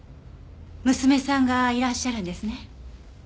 娘さんがいらっしゃるんですね。